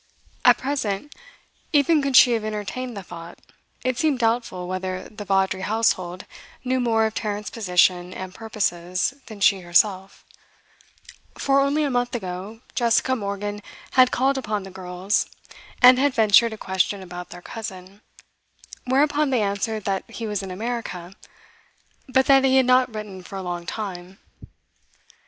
At present, even could she have entertained the thought, it seemed doubtful whether the Vawdrey household knew more of Tarrant's position and purposes than she herself; for, only a month ago, Jessica Morgan had called upon the girls and had ventured a question about their cousin, whereupon they answered that he was in America, but that he had not written for a long time.